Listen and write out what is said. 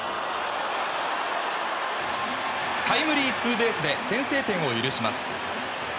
タイムリーツーベースで先制点を許します。